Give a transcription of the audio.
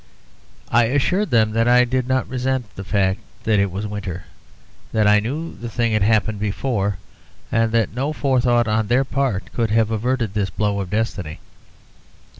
I assured them that I did not resent the fact that it was winter, that I knew the thing had happened before, and that no forethought on their part could have averted this blow of destiny.